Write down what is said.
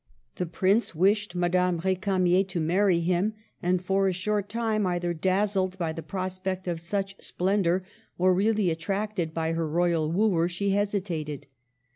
The Prince wished Madame R6camier to marry him ; and for a short time, either dazzled by the prospect of such splendor, or really attracted by her royal wooer, she hesitated.